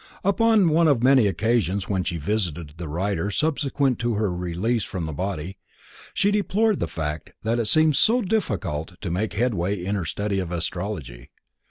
Upon one of many occasions when she visited the writer subsequent to her release from the body, she deplored the fact that it seemed so difficult to make headway in her study of astrology.